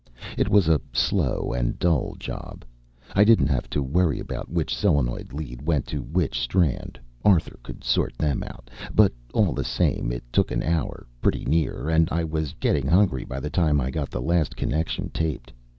It was a slow and dull job. I didn't have to worry about which solenoid lead went to which strand Arthur could sort them out. But all the same it took an hour, pretty near, and I was getting hungry by the time I got the last connection taped.